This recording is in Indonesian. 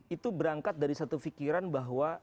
itu berangkat dari satu fikiran bahwa